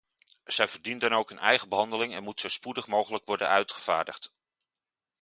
Zij verdient dan ook een eigen behandeling en moet zo spoedig mogelijk worden uitgevaardigd.